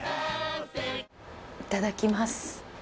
いただきます